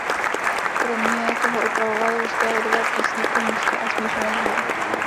Kromě toho upravoval ruské lidové písně pro mužské a smíšené sbory.